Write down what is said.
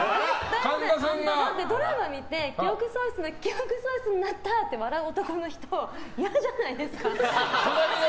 だってドラマ見て記憶喪失なったって笑う男の人、嫌じゃないですか？